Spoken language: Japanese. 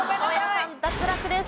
大家さん脱落です。